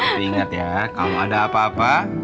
tapi ingat ya kalau ada apa apa